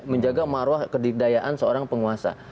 menjaga marwah kedidayaan seorang penguasa